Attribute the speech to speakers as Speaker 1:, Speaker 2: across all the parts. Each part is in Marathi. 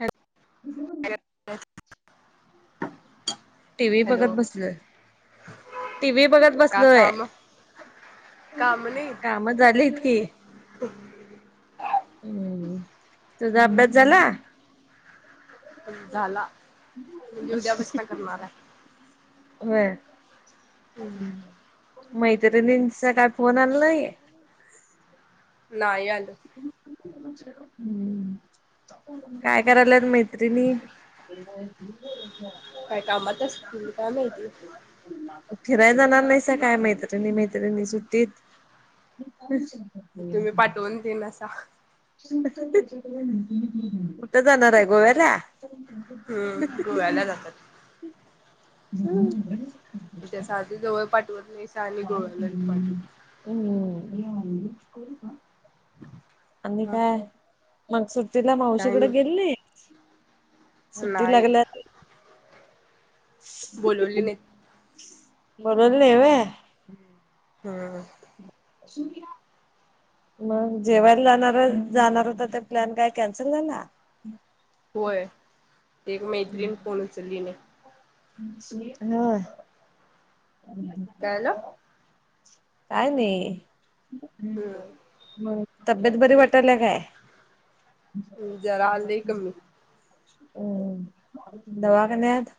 Speaker 1: हॅ [unintelligible]
Speaker 2: [inaudible]
Speaker 1: टीव्ही बघत बसलोय, टीव्ही बघत
Speaker 2: का
Speaker 1: बसलोय.
Speaker 2: काम काम नाही
Speaker 1: काम झालीत की. हम्म, तुझा अभ्यास झाला?
Speaker 2: झाला, म्हणजे उद्यापासन करणार आहे.
Speaker 1: व्हय. मैत्रिणींचा काय फोन आला नाही?
Speaker 2: नाही आल.
Speaker 1: हम्म, काय करायल्यात मैत्र -त्रिणी
Speaker 2: काय कामात असतील काय माहिती?
Speaker 1: फिरायला जाणार नाहीसा काय मैत्रिणी मैत्रिणी सुट्टीत?
Speaker 2: तुम्ही पाठवून दिनासा.
Speaker 1: कुठं जाणार आहे गोव्याला?
Speaker 2: हम्म गोव्याला जातात
Speaker 1: हम [unintelligible]
Speaker 2: त्याच्या आधी जवळ पाठवत नाहीसा आणि गोव्याला पाठव
Speaker 1: हम्म [unintelligible] आणि
Speaker 2: ह
Speaker 1: काय मग सुट्टीला मावशीकडे गेली नाही? सुट्टी
Speaker 2: नाही
Speaker 1: लागल्या-
Speaker 2: बोलवले नाहीत
Speaker 1: [unintelligible]
Speaker 2: हम्म
Speaker 1: मग जेवायला जाणार जाणार होता ते प्लॅन काय कॅन्सल झाला?
Speaker 2: होय एक मैत्रीण फोन उचललीनय
Speaker 1: हा
Speaker 2: काय झालं
Speaker 1: काय नाही
Speaker 2: हम्म
Speaker 1: तब्येत बरी वाटाल्या काय?
Speaker 2: जरा आलंय
Speaker 1: [inaudible]
Speaker 2: कमी
Speaker 1: हम्म दवाखाण्यात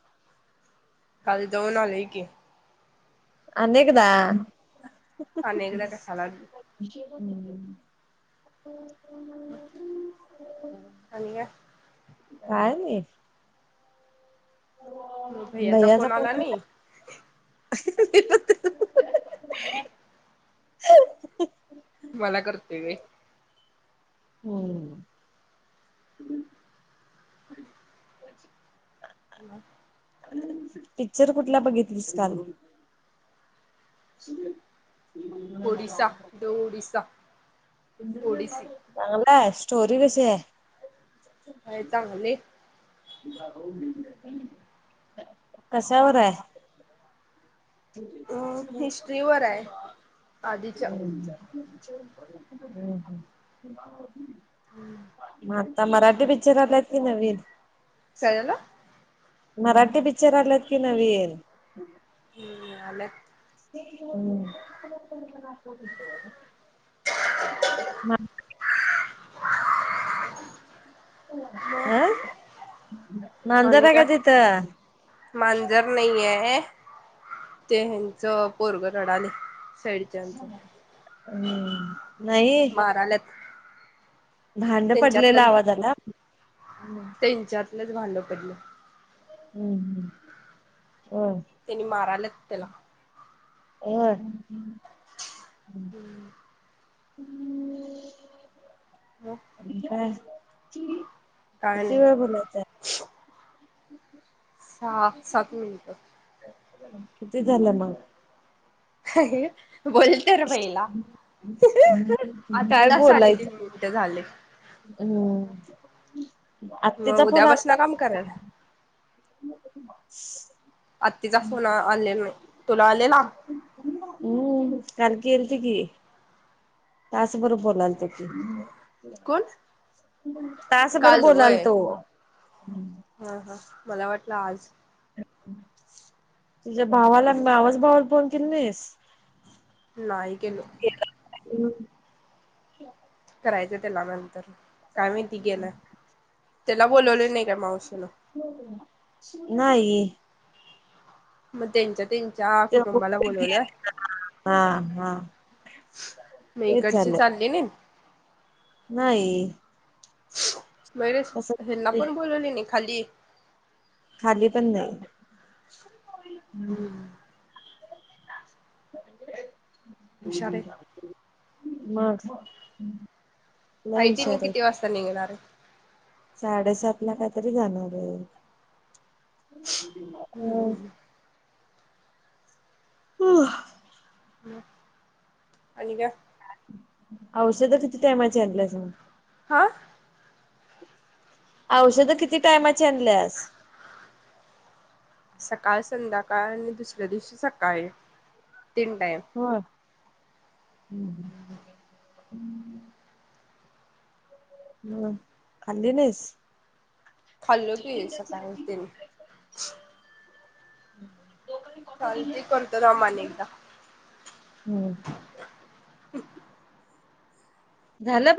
Speaker 2: काल जाऊन आलेय की.
Speaker 1: आणि एकदा
Speaker 2: आणि एकदा कशाला?
Speaker 1: [unintelligible]
Speaker 2: [inaudible] आणि काय?
Speaker 1: काय नाही.
Speaker 2: मग
Speaker 1: भैयाचा
Speaker 2: फोन आला नाही
Speaker 1: [unintelligible] [inaudible]
Speaker 2: मला करतोय व्हय.
Speaker 1: हम्म हम् [inaudible]
Speaker 2: ब
Speaker 1: पिक्चर कुठला बघितलीस काल ह
Speaker 2: ओडिसा ओडिसा ओडिसी
Speaker 1: चांगलाय स्टोरी कशी आहे.
Speaker 2: होय चांगलीय.
Speaker 1: कशावर आहे? [inaudible]
Speaker 2: अ
Speaker 1: हम्म
Speaker 2: हिस्ट्री वर आहे आधीच्या
Speaker 1: हम्म मग आता मराठी ब- पिक्चर आलायत की नवीन.
Speaker 2: काय झाला
Speaker 1: मराठी पिक्चर आलेत की नवीन
Speaker 2: ह हलत
Speaker 1: हम् म
Speaker 2: मग
Speaker 1: आं
Speaker 2: आणि का मांजर नाही आहे. ते हच पोरग रडाले साईड
Speaker 1: हम्
Speaker 2: मार आलात.
Speaker 1: भांड पडलेला आवाजला
Speaker 2: इच भांडं पडलं
Speaker 1: हम्म हम् ह
Speaker 2: त्यानी मारालात त्याला
Speaker 1: हो
Speaker 2: हम्म
Speaker 1: हम्म
Speaker 2: मग काय
Speaker 1: कती
Speaker 2: नाही
Speaker 1: व बला
Speaker 2: ह सात मिलत
Speaker 1: किती झालं मग
Speaker 2: ह बोल तर बईला आत्ता साडेतीीन मिनिट झाले
Speaker 1: हम्
Speaker 2: मग उद्यासन काम करायला आत् तिचा फोन आलेला नाही तुला आलेला
Speaker 1: हम् काल की एलती की त्याच बरोबर बोलायल त की
Speaker 2: कोण?
Speaker 1: तासबर
Speaker 2: काल
Speaker 1: बोलाल
Speaker 2: व्हय.
Speaker 1: तो
Speaker 2: हा हा मला वाटलं आज
Speaker 1: तुझ्या भावाला मावाच भावाला बोन केली नाहीस
Speaker 2: नाहीय गेलो
Speaker 1: हम्
Speaker 2: करायचं त्याला नंतर काय माहिती गेलं त्याला बोोलवले नाही का मावशीनं
Speaker 1: नाही
Speaker 2: मग त्यांच त्यांच्या
Speaker 1: ते
Speaker 2: कुटुंबाला बोलवलय
Speaker 1: हा हा
Speaker 2: मी
Speaker 1: तेच
Speaker 2: इकडचे
Speaker 1: झालं
Speaker 2: चालले ना
Speaker 1: नाही
Speaker 2: माैरे
Speaker 1: तस
Speaker 2: हेना पण बोलवली नाही खाली
Speaker 1: खाली पण नाही
Speaker 2: हम्म हुशार आहेत.
Speaker 1: मग लय
Speaker 2: ऐ तन
Speaker 1: हुशार आहेत.
Speaker 2: किती वाजता निघणारे
Speaker 1: साडेसात ला काहीतरी जाणार आहे
Speaker 2: हम्म
Speaker 1: अ
Speaker 2: हम्म.
Speaker 1: व
Speaker 2: आणि का
Speaker 1: औषध किती टायमाचे आणल्या जाऊ
Speaker 2: हा
Speaker 1: औषधं किती टायमाची आणल्यास
Speaker 2: ह सकाळ संध्याकाळ आणि दुसऱ्या दिवशी सकाळी तीन टाइम
Speaker 1: हो ह् हम खाल्ली नाहीस
Speaker 2: खल्लो हो की सकाय दिल
Speaker 1: हम्
Speaker 2: चाल ते करतो राम अनेकदा
Speaker 1: हम झालं